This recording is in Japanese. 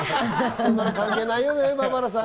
そんなの関係ないよね、バーバラさん。